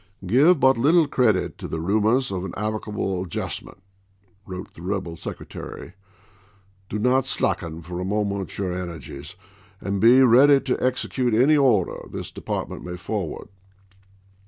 " Give but little credit to the rumors of an amicable adjustment," wrote the rebel secre to^llaOTe tary. " Do not slacken for a moment your ener ^ilfisl^'!'^' gies, and be ready to execute any order this i., p. 27(3! ' department may forward."